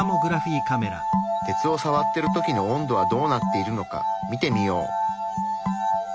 鉄をさわってる時の温度はどうなっているのか見てみよう。